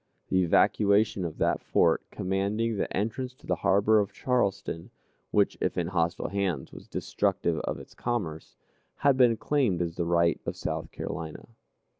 The evacuation of that fort, commanding the entrance to the harbor of Charleston, which, if in hostile hands, was destructive of its commerce, had been claimed as the right of South Carolina.